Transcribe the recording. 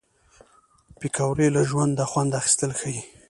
پکورې له ژونده خوند اخیستل ښيي